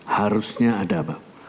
harusnya ada bapak